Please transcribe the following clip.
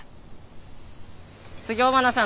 次尾花さん